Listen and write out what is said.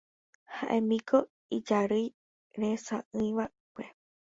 Ha'émiko ijarýi resa'ỹiva'ekue